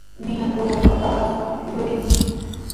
Ninakuruqa paqaspami yurin.